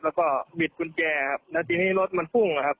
แล้วก็บิดกุญแจครับแล้วทีนี้รถมันพุ่งนะครับ